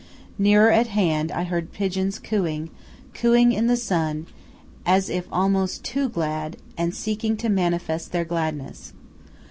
Nearer at hand I heard pigeons cooing, cooing in the sun, as if almost too glad, and seeking to manifest their gladness.